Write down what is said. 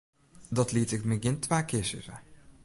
Dat liet ik my gjin twa kear sizze.